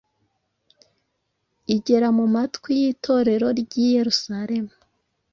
igera mu matwi y’Itorero ry’i Yerusalemu,